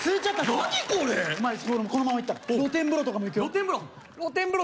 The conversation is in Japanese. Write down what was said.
何これこのままいったら露天風呂とかもいくよ露天風呂？